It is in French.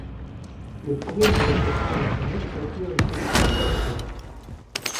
Le problème du réchauffement de la planète requiert une solution planétaire.